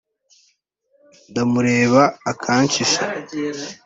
ndamureba akanshisha